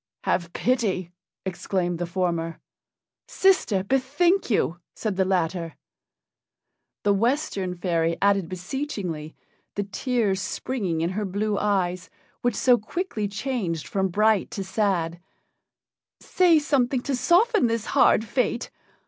"Have pity!" exclaimed the former. "Sister, bethink you," said the latter; the Western fairy adding beseechingly, the tears springing in her blue eyes, which so quickly changed from bright to sad, "Say something to soften this hard fate.